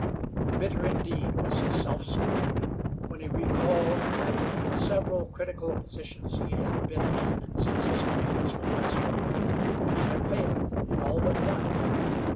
Bitter, indeed, was his self scorn when he recalled that of the several critical positions he had been in since his acquaintance with Wetzel, he had failed in all but one.